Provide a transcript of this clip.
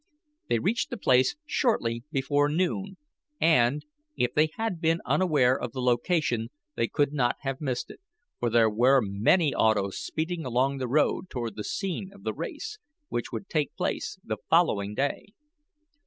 They reached the place shortly before noon, and, if they had been unaware of the location they could not have missed it, for there were many autos speeding along the road toward the scene of the race, which would take place the following day.